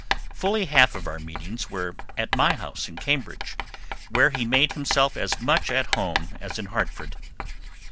Fully half our meetings were at my house in Cambridge, where he made himself as much at home as in Hartford.